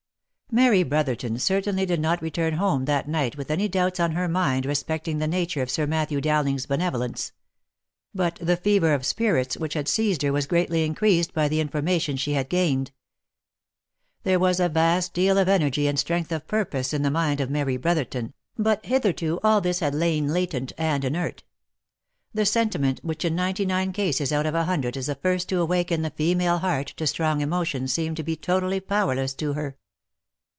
Mary Brotherton certainly did not return home that night with any doubts on her mind respecting the nature of Sir Matthew Dow ling's benevolence ; but the fever of spirits which had seized her was greatly increased by the information she had gained. There was a vast deal of energy and strength of purpose in the mind of Mary Brotherton, but hitherto all this had lain latent and OF MICHAEL ARMSTRONG. 113 inert. The sentiment which in ninety nine cases out of a hundred is the first to awaken the female heart to strong emotion seemed to be totally powerless to her.